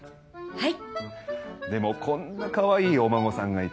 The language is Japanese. はい。